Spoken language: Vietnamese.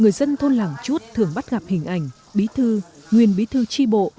người dân thôn làng chút thường bắt gặp hình ảnh bí thư nguyên bí thư tri bộ